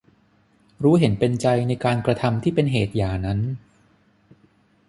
รู้เห็นเป็นใจในการกระทำที่เป็นเหตุหย่านั้น